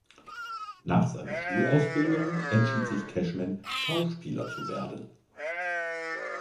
Nach seiner Schulausbildung entschied sich Cashman Schauspieler zu werden.